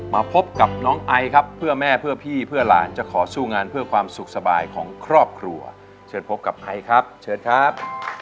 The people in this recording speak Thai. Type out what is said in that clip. มาพบกับน้องไอครับเพื่อแม่เพื่อพี่เพื่อหลานจะขอสู้งานเพื่อความสุขสบายของครอบครัวเชิญพบกับไอครับเชิญครับ